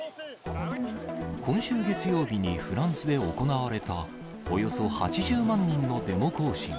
今週月曜日にフランスで行われた、およそ８０万人のデモ行進。